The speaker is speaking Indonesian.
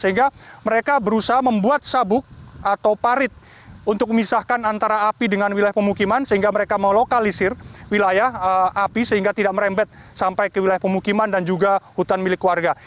sehingga mereka berusaha membuat sabuk atau parit untuk memisahkan antara api dengan wilayah pemukiman sehingga mereka melokalisir wilayah api sehingga tidak merembet sampai ke wilayah pemukiman dan juga hutan milik warga